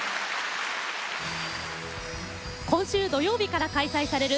今週土曜日から開催される